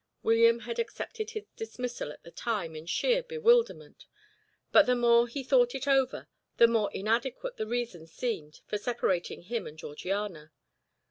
William had accepted his dismissal at the time in sheer bewilderment; but the more he thought it over, the more inadequate the reason seemed for separating him and Georgiana.